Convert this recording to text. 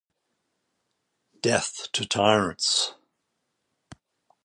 Death to tyrants!